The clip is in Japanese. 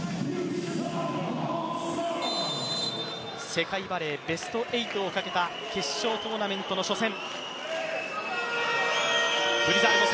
世界バレー、ベスト８をかけた決勝トーナメントの初戦。